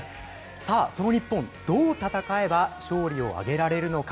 さあ、その日本、どう戦えば、勝利を挙げられるのか。